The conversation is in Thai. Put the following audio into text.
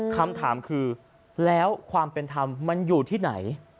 คำถามคือแล้วความเป็นธรรมมันอยู่ที่ไหน